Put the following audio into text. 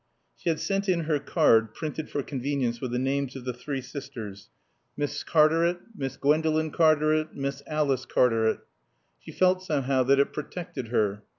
She had sent in her card, printed for convenience with the names of the three sisters: Miss Cartaret. Miss Gwendolen Cartaret. Miss Alice Cartaret. She felt somehow that it protected her.